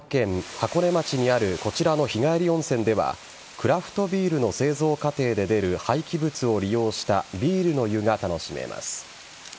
箱根町にあるこちらの日帰り温泉ではクラフトビールの製造過程で出る廃棄物を利用したビールの湯が楽しめます。